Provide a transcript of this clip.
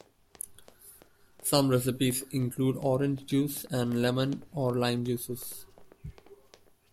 Some recipes include orange juice and lemon or lime juices.